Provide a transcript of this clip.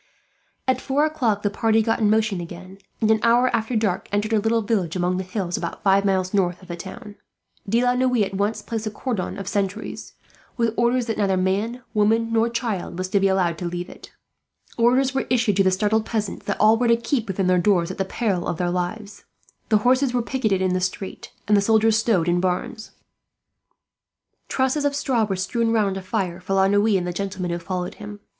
At four o'clock the party got in motion again and, an hour after dark, entered a little village among the hills, about five miles north of the town. De la Noue at once placed a cordon of sentries, with orders that neither man, woman, nor child was to be allowed to leave it. Orders were issued, to the startled peasants, that all were to keep within their doors, at the peril of their lives. The horses were picketed in the street, and the soldiers stowed in barns; trusses of straw were strewn round a fire for La Noue, and the gentlemen who followed him.